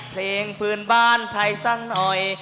เพลงพื้นบ้านไทยสักหน่อย